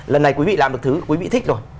lần này quý vị làm được thứ quý vị thích rồi